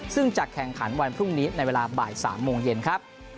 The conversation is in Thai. ซึ่งจะแข่งขันวันพรุ่งนี้ในเวลาบ่าย๓โมงเย็นครับ